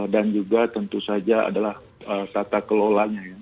dan juga tentu saja adalah tata kelolanya